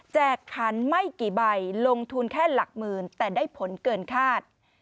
ขันไม่กี่ใบลงทุนแค่หลักหมื่นแต่ได้ผลเกินคาด